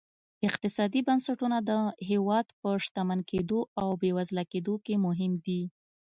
اقتصادي بنسټونه د هېواد په شتمن کېدو او بېوزله کېدو کې مهم دي.